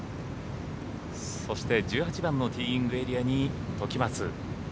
そして１８番のティーイングエリアに時松。